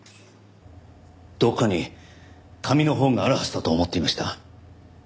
どこかに紙のほうがあるはずだと思っていました。